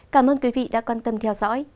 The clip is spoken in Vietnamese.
cảm ơn quý vị đã quan tâm theo dõi